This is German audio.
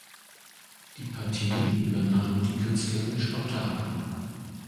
Die Partie übernahm die Künstlerin spontan.